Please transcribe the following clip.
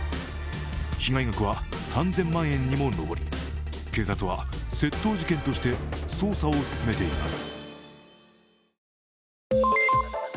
被害額は３０００万円にも上り警察は窃盗事件として捜査を進めています。